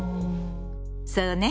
そうね。